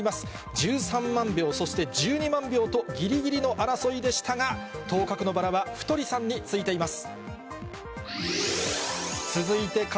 １３万票、そして１２万票とぎりぎりの争いでしたが、当確のバラは太さんについています。